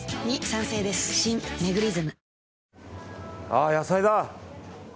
あ、野菜だ。